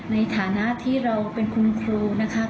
ในฐานะที่เราเป็นคุณครูนะคะ